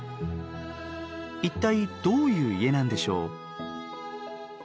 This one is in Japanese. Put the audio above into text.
一体どういう家なんでしょう？